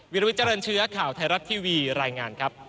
วิลวิทเจริญเชื้อข่าวไทยรัฐทีวีรายงานครับ